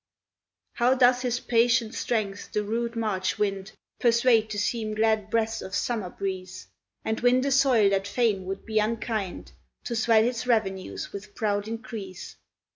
How doth his patient strength the rude March wind Persuade to seem glad breaths of summer breeze, And win the soil that fain would be unkind, To swell his revenues with proud increase!